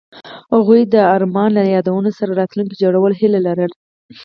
هغوی د آرمان له یادونو سره راتلونکی جوړولو هیله لرله.